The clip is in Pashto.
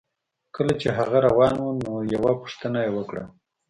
کله چې هغه روان و نو یوه پوښتنه یې وکړه